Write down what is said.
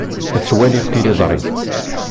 La ttwaliɣ tiliẓri.